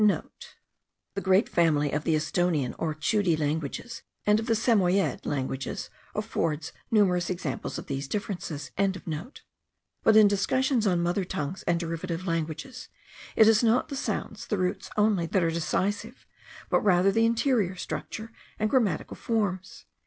*(* The great family of the Esthonian (or Tschoudi) languages, and of the Samoiede languages, affords numerous examples of these differences.) But in discussions on mother tongues and derivative languages, it is not the sounds, the roots only, that are decisive; but rather the interior structure and grammatical forms.